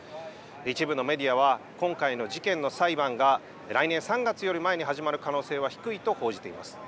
一部のメディアは、今回の事件の裁判が来年３月より前に始まる可能性は低いと報じています。